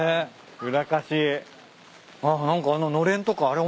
あっ何かあののれんとかおれ